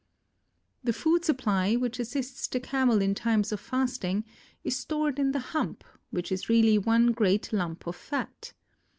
The food supply, which assists the Camel in times of fasting is stored in the hump, which is really one great lump of fat.